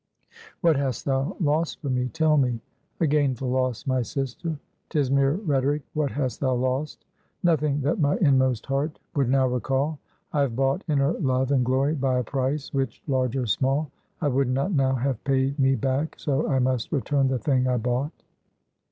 "What hast thou lost for me? Tell me!" "A gainful loss, my sister!" "'Tis mere rhetoric! What hast thou lost?" "Nothing that my inmost heart would now recall. I have bought inner love and glory by a price, which, large or small, I would not now have paid me back, so I must return the thing I bought."